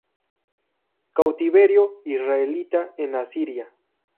Cautiverio israelita en Asiria.